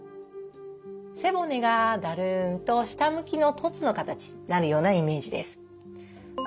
背骨がだるんと下向きの凸の形になるようなイメージです。